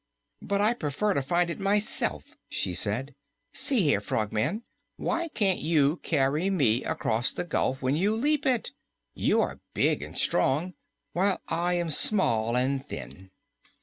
"But I prefer to find it myself!" she said. "See here, Frogman, why can't you carry me across the gulf when you leap it? You are big and strong, while I am small and thin."